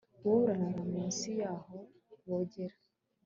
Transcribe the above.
wowe urara munsi yahoo bogera